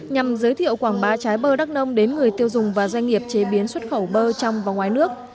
nhằm giới thiệu quảng bá trái bơ đắk nông đến người tiêu dùng và doanh nghiệp chế biến xuất khẩu bơ trong và ngoài nước